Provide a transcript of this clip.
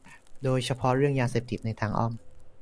โดยเฉพาะเรื่องยาเสพติดในทางอ้อม